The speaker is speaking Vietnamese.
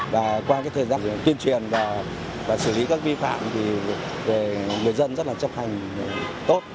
và qua thời gian tuyên truyền và xử lý các vi phạm thì người dân rất là chấp hành tốt